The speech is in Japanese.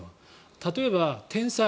例えば、天災。